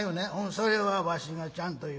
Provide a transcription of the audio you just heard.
「それはわしがちゃんと言う。